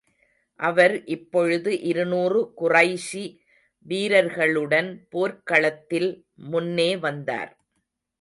அவர் இப்பொழுது இருநூறு குறைஷி வீரர்களுடன் போர்க் களத்தில் முன்னே வந்தார்.